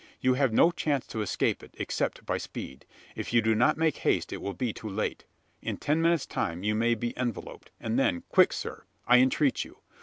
You have no chance to escape it, except by speed. If you do not make haste, it will be too late. In ten minutes' time you may be enveloped, and then quick, sir, I entreat you!